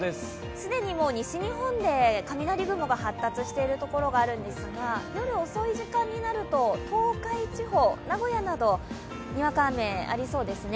既に西日本で雷雲が発達しているところがあるんですが夜遅い時間になると東海地方、名古屋などにわか雨、ありそうですね。